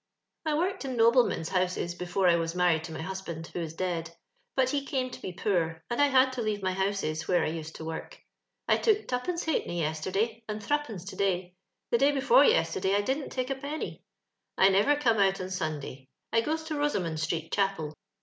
I worked in noblemen's houses before I was manried to my husband, who is dead; but he came to be poor, and I had to leave my houses where I used to work. *' I took twopence halfpenny yesterday, and threepence to day; the day before yest^day I didn't take a penny. I never come out on Sunday; I goes to Bosomon street Chapel.